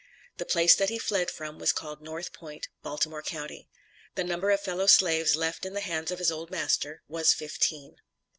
The place that he fled from was called North Point, Baltimore county. The number of fellow slaves left in the hands of his old master, was fifteen.